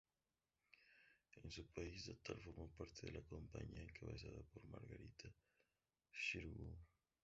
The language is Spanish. En su país natal formó parte de la compañía encabezada por Margarita Xirgu.